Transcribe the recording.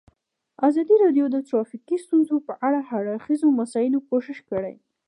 ازادي راډیو د ټرافیکي ستونزې په اړه د هر اړخیزو مسایلو پوښښ کړی.